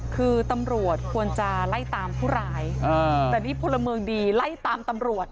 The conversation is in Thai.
คือตำรวจควรจะไล่ตามผู้ร้ายแต่นี่พลเมืองดีไล่ตามตำรวจ